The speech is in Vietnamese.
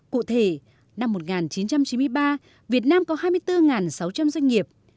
cụ thể năm một nghìn chín trăm chín mươi ba việt nam có hai mươi bốn sáu trăm linh doanh nghiệp